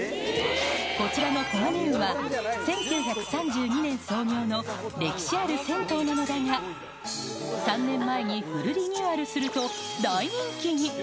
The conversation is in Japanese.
こちらの黄金湯は、１９３２年創業の歴史ある銭湯なのだが、３年前にフルリニューアルすると、大人気に。